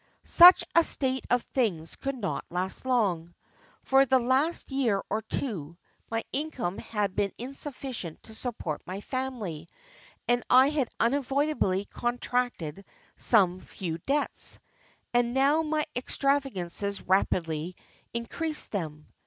"Such a state of things could not last long. For the last year or two, my income had been insufficient to support my family, and I had unavoidably contracted some few debts, and now my extravagances rapidly increased them.